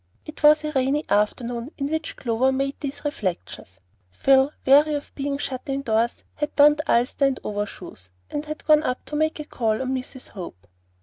It was a rainy afternoon in which Clover made these reflections. Phil, weary of being shut indoors, had donned ulster and overshoes, and gone up to make a call on Mrs. Hope.